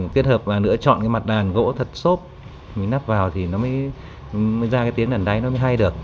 kết hợp và lựa chọn cái mặt đàn gỗ thật xốp mình nắp vào thì nó mới ra cái tiếng đàn đáy nó mới hay được